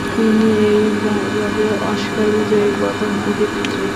তিনিই এই বিভাগে অস্কার বিজয়ী প্রথম অভিনেত্রী।